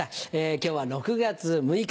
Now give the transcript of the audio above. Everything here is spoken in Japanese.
今日は６月６日。